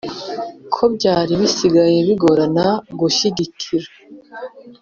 ko byari bisigaye bigorana gushyigikira